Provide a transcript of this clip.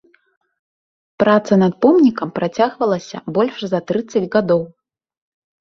Праца над помнікам працягвалася больш за трыццаць гадоў.